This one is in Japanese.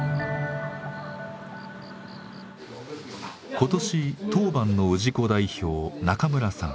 今年当番の氏子代表中村さん。